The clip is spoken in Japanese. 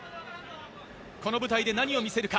この舞台で何を見せるか。